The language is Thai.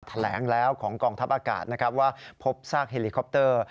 แถลงแล้วของกองทัพอากาศนะครับว่าพบซากเฮลิคอปเตอร์